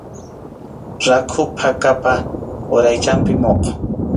Rakhu phakapa uraychanpi muqu.